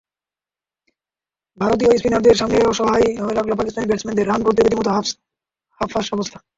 ভারতীয় স্পিনারদের সামনে অসহায়ই লাগল পাকিস্তানি ব্যাটসম্যানদের, রান করতে রীতিমতো হাঁসফাঁস অবস্থা।